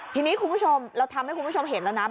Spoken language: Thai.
ทีนี้คุณผู้ชมเราทำให้คุณผู้ชมเห็นแล้วนะ